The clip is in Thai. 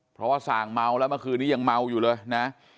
เพราะว่าส่างเมาแล้วเมื่อคืนนี้ยังเมาอยู่เลยนะ